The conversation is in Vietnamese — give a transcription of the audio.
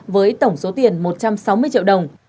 với tổng số tiền một trăm sáu mươi triệu đồng